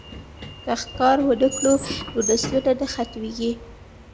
که ښکار ونه کړو نو نسلونه نه ختمیږي.